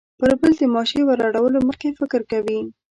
پر بل د ماشې وراړولو مخکې فکر کوي.